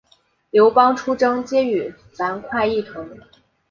刘邦出征皆与樊哙一同。